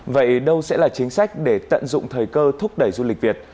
vậy đâu sẽ là chính sách để tận dụng thời cơ thúc đẩy du lịch việt